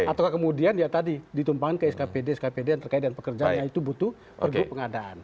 atau kemudian ya tadi ditumpang ke skpd skpd yang terkait dengan pekerjaannya itu butuh pergub pengadaan